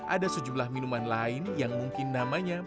ada sejumlah minuman lain yang mungkin namanya